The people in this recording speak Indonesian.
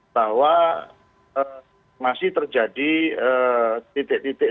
bahwa masih terjadi titik titik